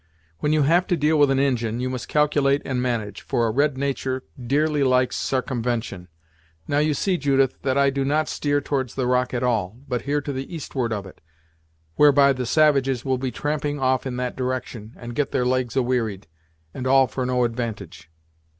When you have to deal with an Injin, you must calculate and manage, for a red natur' dearly likes sarcumvention. Now you see, Judith, that I do not steer towards the rock at all, but here to the eastward of it, whereby the savages will be tramping off in that direction, and get their legs a wearied, and all for no advantage."